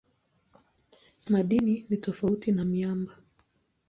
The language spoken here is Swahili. Madini ni tofauti na miamba.